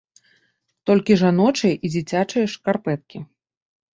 Толькі жаночыя і дзіцячыя шкарпэткі.